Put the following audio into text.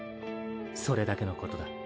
それだけのことだ。